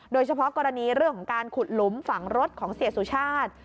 โดยเฉพาะกรณีเรื่องของการขุดหลุมฝังรถของเสียสุชาติ